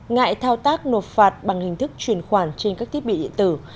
ngại thao tác nộp phạt bằng hình thức chuyển khoản trên các thiết bị điện tử